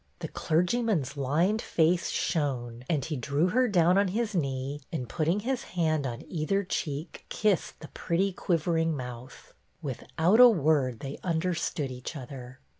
The clergyman's lined face shone and he drew her down on his knee and, putting his hand on either cheek, kissed the pretty quiv ering mouth. Without a word they understood each other.